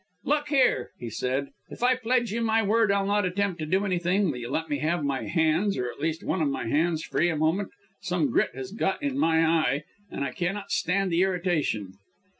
"Look here," he said, "if I pledge you my word I'll not attempt to do anything, will you let me have my hands or at least one of my hands free a moment. Some grit has got in my eye and I cannot stand the irritation."